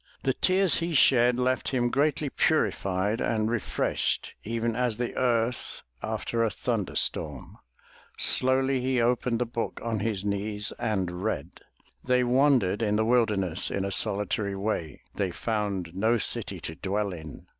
The tears he shed left him greatly purified and re freshed even as the earth after a thunder storm. Slowly he opened the book on his knees and read: "They wandered in the wilderness in a solitary way; they found no city to dwell in.